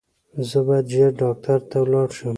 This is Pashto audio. زه باید ژر ډاکټر ته ولاړ شم